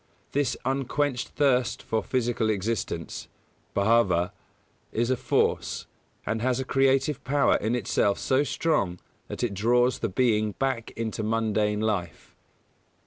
This unquenched thirst for physical existence (bhāva) is a force, and has a creative power in itself so strong that it draws the being back into mundane life.